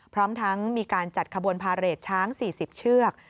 พร้อมทั้งมีการจัดขบวนพาเรทช้าง๔๐เชือก